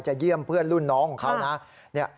เยี่ยมเพื่อนรุ่นน้องของเขานะ